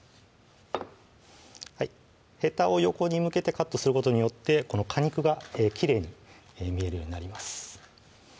へたを横に向けてカットすることによって果肉がきれいに見えるようになります